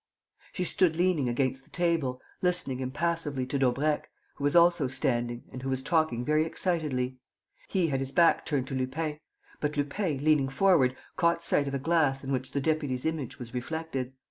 She stood leaning against the table, listening impassively to Daubrecq, who was also standing and who was talking very excitedly. He had his back turned to Lupin; but Lupin, leaning forward, caught sight of a glass in which the deputy's image was reflected.